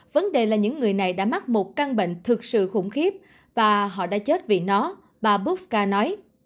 vấn đề là những người này đã mắc một căn bệnh thực sự khủng khiếp và họ đã chết vì nó bà boska nói